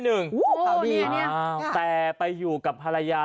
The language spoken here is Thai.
หนึ่งโอ้โฮนี่แต่ไปอยู่กับภรรยา